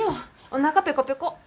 おなかペコペコ！